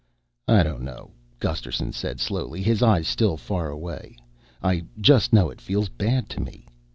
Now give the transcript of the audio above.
"I don't know," Gusterson said slowly, his eyes still far away. "I just know it feels bad to me."